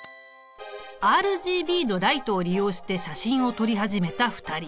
ＲＧＢのライトを利用して写真を撮り始めた２人。